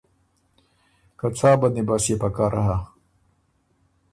که څا بندی بست يې پکر هۀ۔